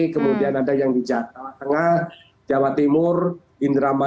kemudian ada yang di jawa tengah